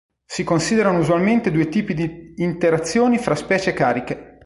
Si considerano usualmente due tipi di interazioni fra specie cariche.